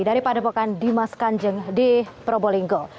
dari padepokan dimas kanjeng di probolinggo